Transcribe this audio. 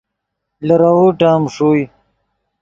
لیروؤ ٹیم ݰوئے